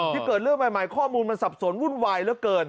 เกิดเรื่องใหม่ข้อมูลมันสับสนวุ่นวายเหลือเกิน